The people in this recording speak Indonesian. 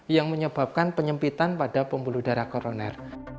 yang menyebabkan penyempitan pada pembuluh darah koroner